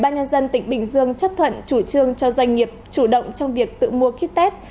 ubnd tỉnh bình dương chấp thuận chủ trương cho doanh nghiệp chủ động trong việc tự mua kit tech